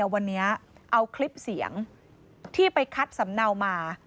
วันนี้เอาคลิปเสียงที่ไปคัดสำเนามา